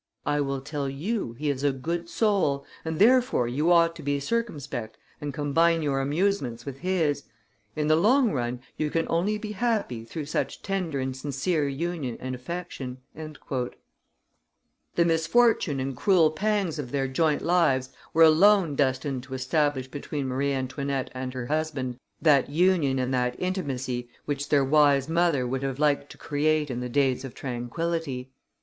I will tell you, he is a good soul, and therefore you ought to be circumspect and combine your amusements with his; in the long run you can only be happy through such tender and sincere union and affection." [Illustration: MARIE ANTOINETTE 456] The misfortune and cruel pangs of their joint lives were alone destined to establish between Marie Antoinette and her husband that union and that intimacy which their wise mother would have liked to create in the days of tranquillity.